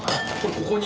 ここに。